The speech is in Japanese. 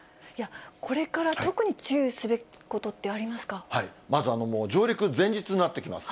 これから特に注意すべきことまず、上陸前日になってきます。